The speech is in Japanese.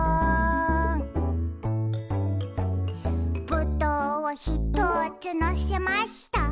「ぶどうをひとつのせました」